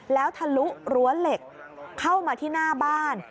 แล้วทะลุรั้วเหล็กเข้ามาที่หน้าบ้าน